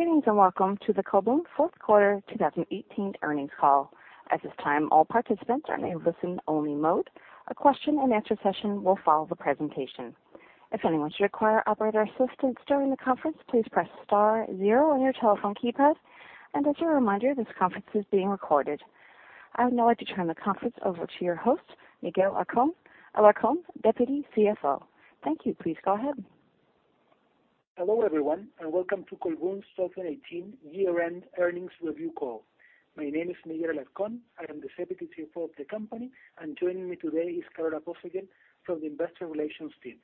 Greetings, welcome to the Colbún fourth quarter 2018 earnings call. At this time, all participants are in a listen-only mode. A question and answer session will follow the presentation. If anyone should require operator assistance during the conference, please press star zero on your telephone keypad. As a reminder, this conference is being recorded. I would now like to turn the conference over to your host, Miguel Alarcón, Deputy CFO. Thank you. Please go ahead. Hello, everyone, welcome to Colbún's 2018 year-end earnings review call. My name is Miguel Alarcón. I am the Deputy CFO of the company, joining me today is Carolina Plasser from the investor relations team.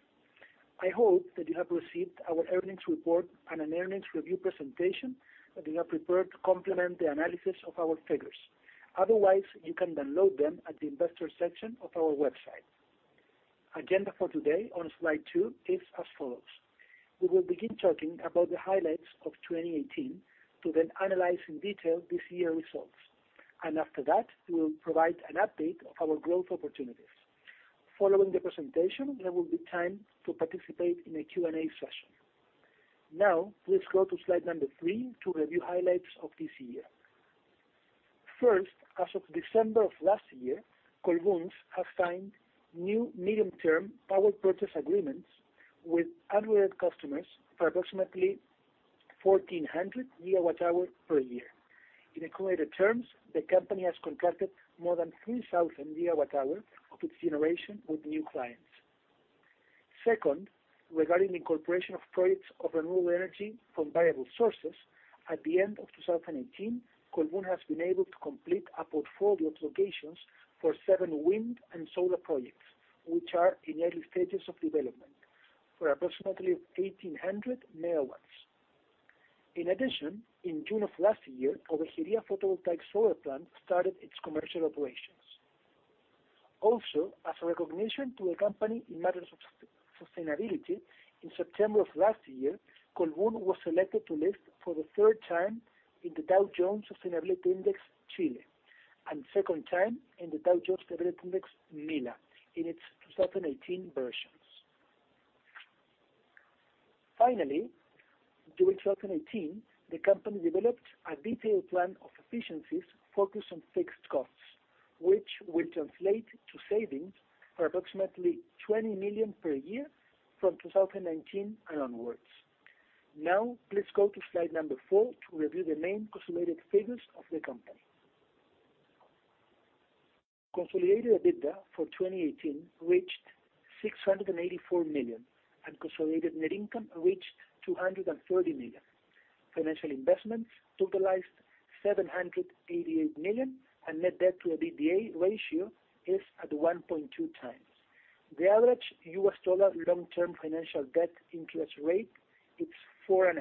I hope that you have received our earnings report and an earnings review presentation that you have prepared to complement the analysis of our figures. Otherwise, you can download them at the investor section of our website. Agenda for today on slide two is as follows. We will begin talking about the highlights of 2018 to analyze in detail this year's results. After that, we will provide an update of our growth opportunities. Following the presentation, there will be time to participate in a Q&A session. Now, please go to slide number three to review highlights of this year. First, as of December of last year, Colbún has signed new medium-term power purchase agreements with unrelated customers for approximately 1,400 GWh per year. In accumulated terms, the company has contracted more than 3,000 GWh of its generation with new clients. Second, regarding the incorporation of projects of renewable energy from variable sources, at the end of 2018, Colbún has been able to complete a portfolio of locations for seven wind and solar projects, which are in early stages of development for approximately 1,800 MW. In addition, in June of last year, Ojos de Agua photovoltaic solar plant started its commercial operations. As a recognition to the company in matters of sustainability, in September of last year, Colbún was selected to list for the third time in the Dow Jones Sustainability Chile Index, second time in the Dow Jones Sustainability Index MILA in its 2018 versions. Finally, during 2018, the company developed a detailed plan of efficiencies focused on fixed costs, which will translate to savings for approximately $20 million per year from 2019 and onwards. Now, please go to slide number four to review the main consolidated figures of the company. Consolidated EBITDA for 2018 reached $684 million, consolidated net income reached $230 million. Financial investments totalized $788 million, net debt to EBITDA ratio is at 1.2 times. The average US dollar long-term financial debt interest rate is 4.5%.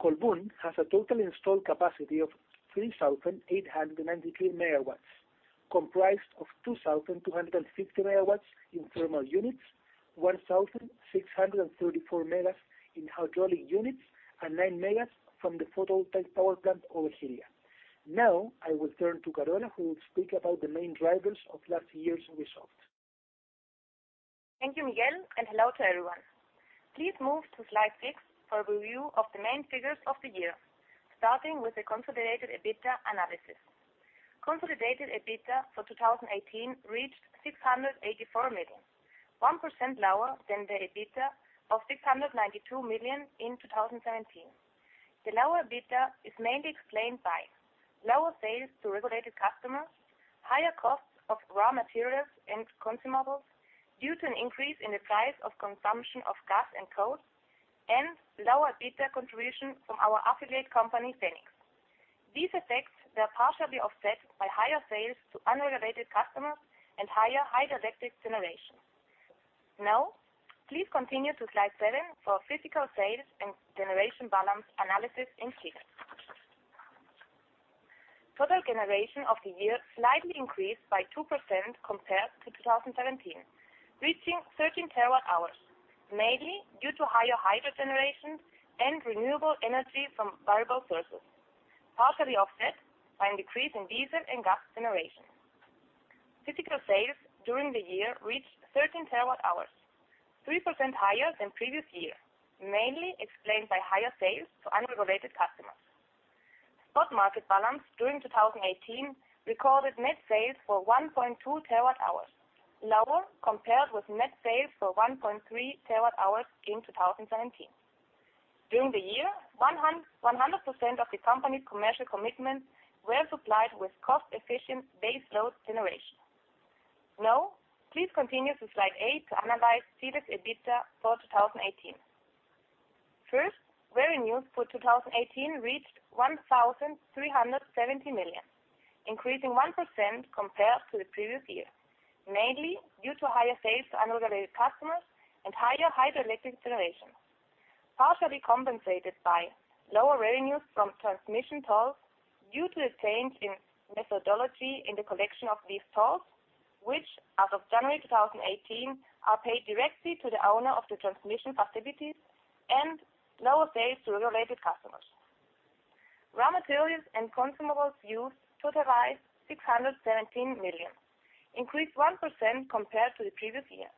Colbún has a total installed capacity of 3,893 MW, comprised of 2,250 MW in thermal units, 1,634 MW in hydraulic units, and nine megawatts from the photovoltaic power plant, Ojos de Agua. Now, I will turn to Carola, who will speak about the main drivers of last year's results. Thank you, Miguel, and hello to everyone. Please move to slide six for a review of the main figures of the year, starting with the consolidated EBITDA analysis. Consolidated EBITDA for 2018 reached $684 million, 1% lower than the EBITDA of $692 million in 2017. The lower EBITDA is mainly explained by lower sales to regulated customers, higher costs of raw materials and consumables due to an increase in the price of consumption of gas and coal, and lower EBITDA contribution from our affiliate company, Fenix. These effects were partially offset by higher sales to unregulated customers and higher hydroelectric generation. Now, please continue to slide seven for physical sales and generation balance analysis in Chile. Total generation of the year slightly increased by 2% compared to 2017, reaching 13 TWh, mainly due to higher hydro generation and renewable energy from variable sources, partially offset by a decrease in diesel and gas generation. Physical sales during the year reached 13 TWh, 3% higher than previous year, mainly explained by higher sales to unregulated customers. Spot market balance during 2018 recorded net sales for 1.2 TWh, lower compared with net sales for 1.3 TWh in 2017. During the year, 100% of the company's commercial commitments were supplied with cost-efficient base load generation. Now, please continue to slide eight to analyze Chile's EBITDA for 2018. First, revenues for 2018 reached $1,370 million, increasing 1% compared to the previous year, mainly due to higher sales to unregulated customers and higher hydroelectric generation. Partially compensated by lower revenues from transmission tolls due to a change in methodology in the collection of these tolls, which, as of January 2018, are paid directly to the owner of the transmission facilities, and lower sales to regulated customers. Raw materials and consumables used totaled $617 million, increased 1% compared to the previous year,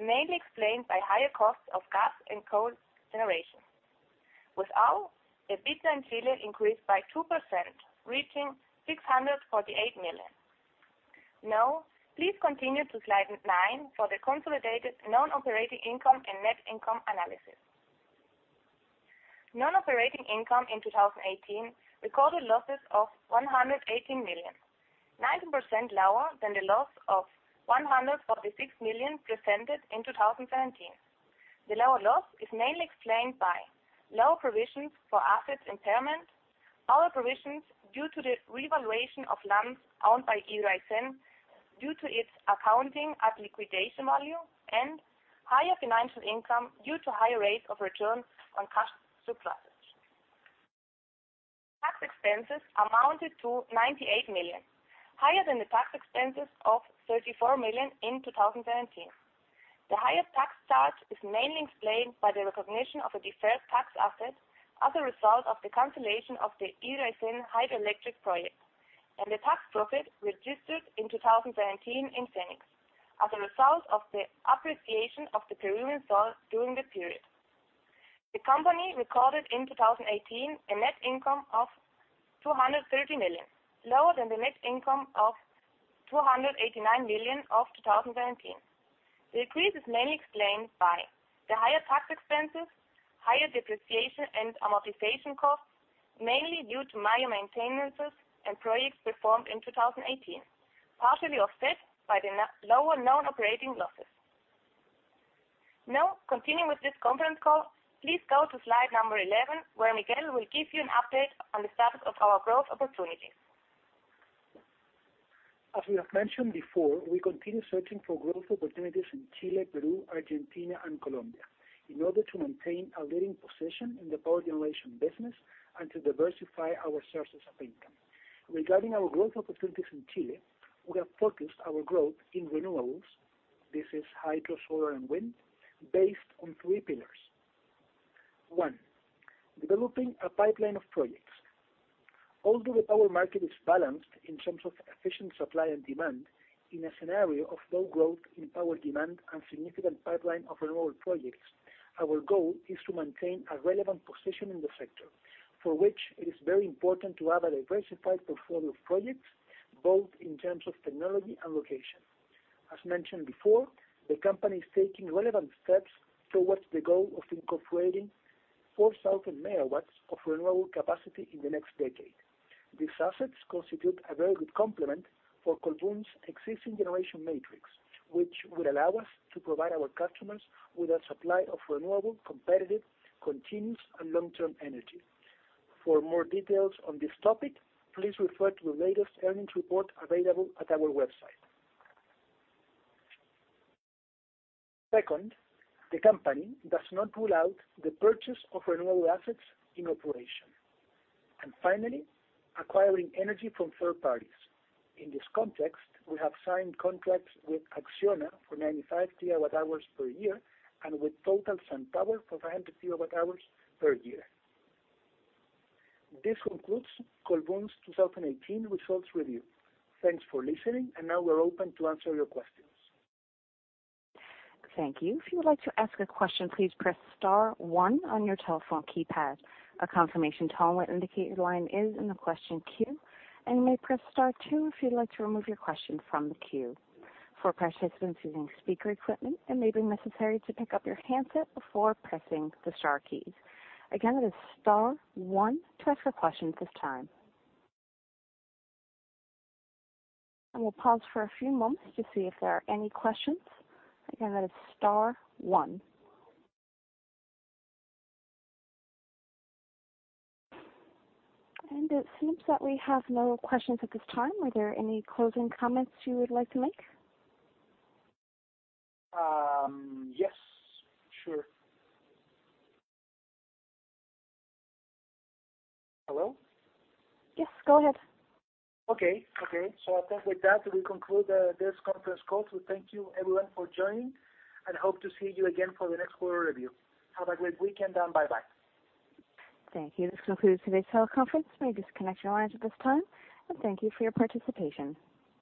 mainly explained by higher costs of gas and coal generation. Without, the EBITDA in Chile increased by 2%, reaching $648 million. Now, please continue to slide nine for the consolidated non-operating income and net income analysis. Non-operating income in 2018 recorded losses of $118 million, 19% lower than the loss of $146 million presented in 2017. The lower loss is mainly explained by lower provisions for asset impairment, lower provisions due to the revaluation of lands owned by HidroAysén, due to its accounting at liquidation value and higher financial income due to higher rates of return on cash surpluses. Tax expenses amounted to $98 million, higher than the tax expenses of $34 million in 2017. The higher tax charge is mainly explained by the recognition of a deferred tax asset as a result of the cancellation of the HidroAysén hydroelectric project, and the tax profit registered in 2017 in Fenix as a result of the appreciation of the Peruvian sol during the period. The company recorded in 2018 a net income of $230 million, lower than the net income of $289 million of 2017. The decrease is mainly explained by the higher tax expenses, higher depreciation and amortization costs, mainly due to minor maintenances and projects performed in 2018, partially offset by the lower non-operating losses. Continuing with this conference call, please go to slide number 11, where Miguel will give you an update on the status of our growth opportunities. As we have mentioned before, we continue searching for growth opportunities in Chile, Peru, Argentina, and Colombia in order to maintain a leading position in the power generation business and to diversify our sources of income. Regarding our growth opportunities in Chile, we have focused our growth in renewables. This is hydro, solar, and wind, based on three pillars. One, developing a pipeline of projects. Although the power market is balanced in terms of efficient supply and demand, in a scenario of low growth in power demand and significant pipeline of renewable projects, our goal is to maintain a relevant position in the sector, for which it is very important to have a diversified portfolio of projects, both in terms of technology and location. As mentioned before, the company is taking relevant steps towards the goal of incorporating 4,000 MW of renewable capacity in the next decade. These assets constitute a very good complement for Colbún's existing generation matrix, which will allow us to provide our customers with a supply of renewable, competitive, continuous, and long-term energy. For more details on this topic, please refer to the latest earnings report available at our website. Second, the company does not rule out the purchase of renewable assets in operation. Finally, acquiring energy from third parties. In this context, we have signed contracts with ACCIONA for 95 GWh per year and with Total and SunPower for 500 GWh per year. This concludes Colbún's 2018 results review. Thanks for listening, now we're open to answer your questions. Thank you. If you would like to ask a question, please press star one on your telephone keypad. A confirmation tone will indicate your line is in the question queue, and you may press star two if you'd like to remove your question from the queue. For participants using speaker equipment, it may be necessary to pick up your handset before pressing the star keys. Again, it is star one to ask a question at this time. I will pause for a few moments to see if there are any questions. Again, that is star one. It seems that we have no questions at this time. Are there any closing comments you would like to make? Yes. Sure. Hello? Yes, go ahead. Okay. I think with that, we conclude this conference call. Thank you everyone for joining, and hope to see you again for the next quarter review. Have a great weekend, and bye-bye. Thank you. This concludes today's teleconference. You may disconnect your lines at this time, and thank you for your participation.